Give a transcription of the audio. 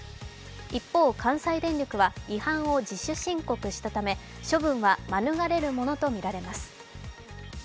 一方、関西電力は違反を自主申告したため処分は免れるものとみられます。